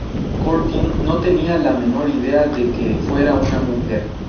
Curtin no tenía la menor idea de que fuera una mujer.